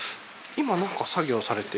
今何か作業されて。